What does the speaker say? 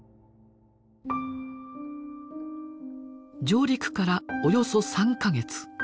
上陸からおよそ３か月。